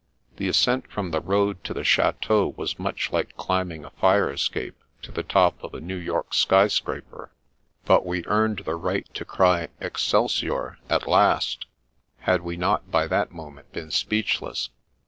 The ascent from the road to the chateau was much like climbing a fire escape to the top of a New York sky scraper» but we earned the right to cry " Excelsior !" at last, had we not by that moment been speechless.